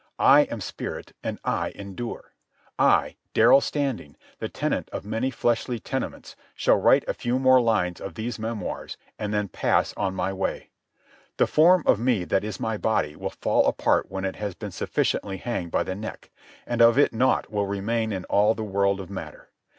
I am spirit, and I endure. I, Darrell Standing, the tenant of many fleshly tenements, shall write a few more lines of these memoirs and then pass on my way. The form of me that is my body will fall apart when it has been sufficiently hanged by the neck, and of it naught will remain in all the world of matter.